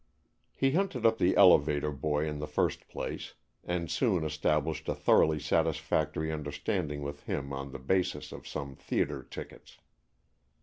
He hunted up the elevator boy in the first place, and soon established a thoroughly satisfactory understanding with him on the basis of some theater tickets.